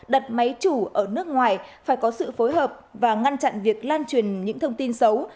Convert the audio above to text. đặt máy chủ ở nước ngoài phải có sự phối hợp và ngăn chặn việc lan truyền những thông tin xấu